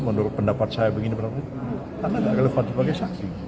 menurut pendapat saya begini karena nggak relevan sebagai saksi